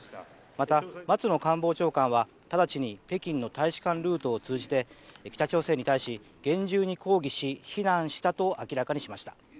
また松野官房長官は、直ちに北京の大使館ルートを通じて北朝鮮に対し厳重に抗議し非難したと明らかにしました。